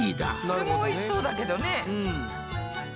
これもおいしそうだけどね。